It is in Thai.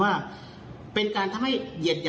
ความผิดทัศน์ดูมิสนามันต้องก่อให้เกิดคำว่า